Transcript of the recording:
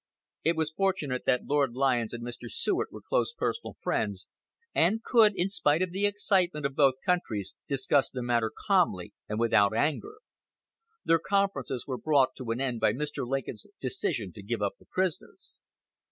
It was fortunate that Lord Lyons and Mr. Seward were close personal friends, and could, in spite of the excitement of both countries, discuss the matter calmly and without anger. Their conferences were brought to an end by Mr. Lincoln's decision to give up the prisoners.